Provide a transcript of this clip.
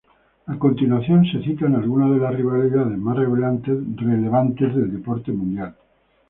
A continuación se citan algunas de las rivalidades más relevantes del deporte mundial.